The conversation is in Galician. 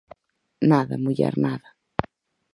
–Nada, muller, nada.